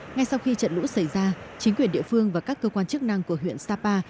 ngay sau khi trận lũ xảy ra chính quyền địa phương và các cơ quan chức năng của huyện sapa